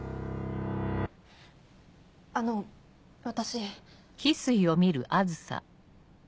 あの私。